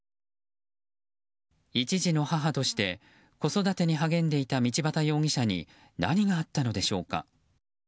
１児の母として子育てに励んでいた道端容疑者に何があったのでしょうか。